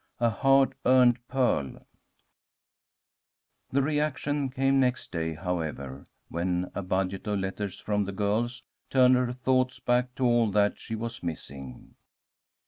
A HARD EARNED PEARL THE reaction came next day, however, when a budget of letters from the girls turned her thoughts back to all that she was missing.